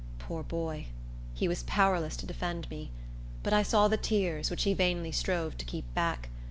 Poor boy! He was powerless to defend me; but I saw the tears, which he vainly strove to keep back.